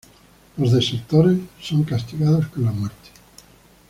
Los desertores son castigados con la muerte.